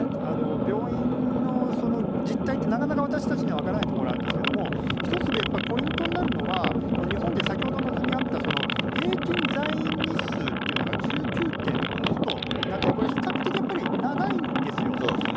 病院のその実態って、なかなか私たちには分からないところがあるんですけれども、一つポイントになるのは、日本で、先ほどの図にあった、平均在院日数っていうのが１９．６となっている、これ、比較的やっぱり長いんですよ。